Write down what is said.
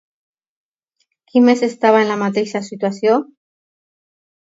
Qui més estava en la mateixa situació?